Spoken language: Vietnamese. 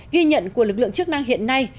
ghi nhận của lực lượng chức năng hiện nay